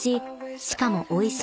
しかもおいしい